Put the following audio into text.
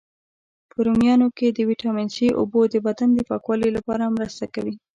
په رومیانو کی د ویټامین C، اوبو د بدن د پاکوالي لپاره مرسته کوي.